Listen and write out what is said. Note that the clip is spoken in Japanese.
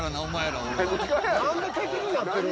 何で敵になってるん？